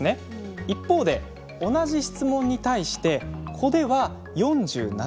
一方で同じ質問に対して子では４７％。